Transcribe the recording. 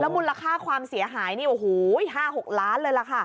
มูลค่าความเสียหายนี่โอ้โห๕๖ล้านเลยล่ะค่ะ